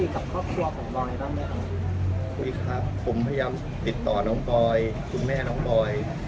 คุยครับผมพยายามติดต่อน้องปลอยคุณแม่น้องปลอย